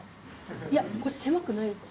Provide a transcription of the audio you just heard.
いやこれ狭くないんですよ。